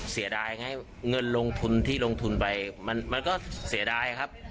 เสียดายให้เงินลงทุนที่ลงทุนไปมันก็เสียดายครับ